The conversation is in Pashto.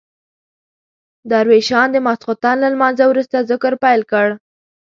درویشان د ماخستن له لمانځه وروسته ذکر پیل کړ.